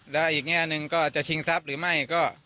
และอีกแน่นึงก็จะชิงทรัพย์หรือไม่